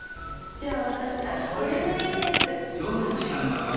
じゃあ僕これがいいです。